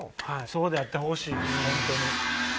そうであってほしい。